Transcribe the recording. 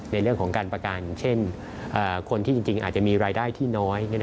ในเรื่องของการประกันเช่นคนที่จริงอาจจะมีรายได้ที่น้อย